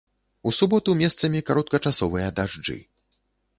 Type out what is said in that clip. У суботу месцамі кароткачасовыя дажджы.